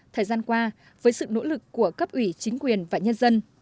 thời gian qua với sự nỗ lực của cấp ủy chính quyền và nhân dân